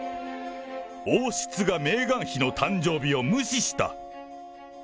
王室がメーガン妃の誕生日を無視した。